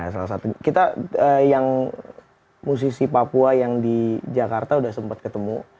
salah satu kita yang musisi papua yang di jakarta sudah sempat ketemu